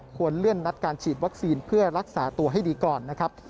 ควรเลื่อนนัดการฉีดวัคซีนเพื่อรักษาตัวให้ดีก่อนนะครับ